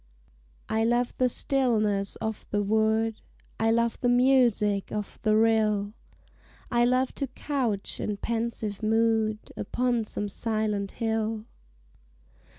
I love the stillness of the wood: I love the music of the rill: I love to couch in pensive mood Upon some silent hill.